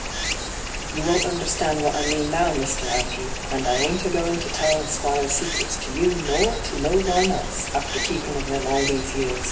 You won't understand what I mean now, Mr. Andrew, and I ain't a going to tell the Squire's secrets to you nor to no one else, after keepin' of them all these years.